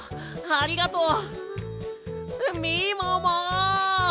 ありがとう！